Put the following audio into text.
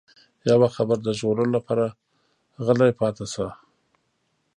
يوه خبره د ژغورلو لپاره غلی پاتې شي.